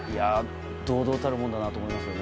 堂々たるものだなって思いますね。